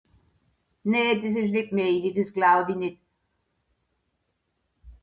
nèè